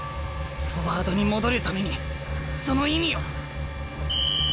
フォワードに戻るためにその意味を。